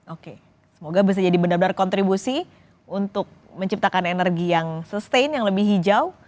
oke semoga bisa jadi benar benar kontribusi untuk menciptakan energi yang sustain yang lebih hijau